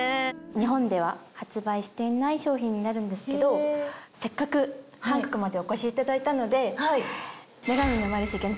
日本では発売していない商品になるんですけどせっかく韓国までお越しいただいたので。